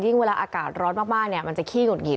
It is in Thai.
เวลาอากาศร้อนมากมันจะขี้หุดหิด